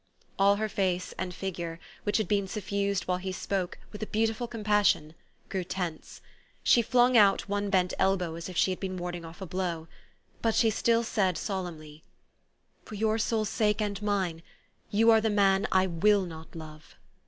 " All her face and figure, which had been suffused while he spoke, with a beautiful compassion, grew tense. She flung out one bent elbow as if she had been warding off a blow. But she said still sol emnly, u For your soul's sake and mine, you are the man I will not love."